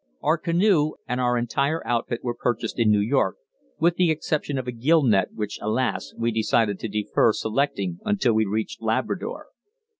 Our canoe and our entire outfit were purchased in New York, with the exception of a gill net, which, alas! we decided to defer selecting until we reached Labrador.